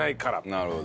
なるほど。